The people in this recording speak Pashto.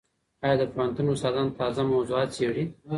ایا د پوهنتون استادان تازه موضوعات څېړي؟